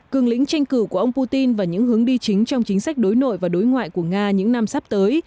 cường lĩnh tranh cử của ông putin và những hướng đi chính trong chính sách đối nội và đối ngoại của nga những năm sắp tới